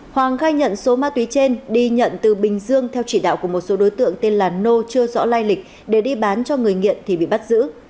hoàng khai nhận số ma túy trên đi nhận từ bình dương theo chỉ đạo của một số đối tượng tên là nô chưa rõ lai lịch để đi bán cho người nghiện thì bị bắt giữ